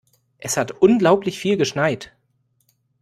Es hat unglaublich viel geschneit.